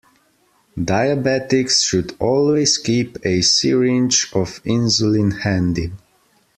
Diabetics should always keep a syringe of insulin handy.